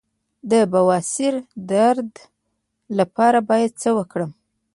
د بواسیر د درد لپاره باید څه وکړم؟